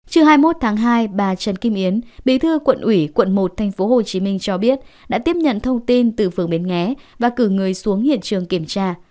trưa hai mươi một tháng hai bà trần kim yến bí thư quận ủy quận một tp hcm cho biết đã tiếp nhận thông tin từ phường bến nghé và cử người xuống hiện trường kiểm tra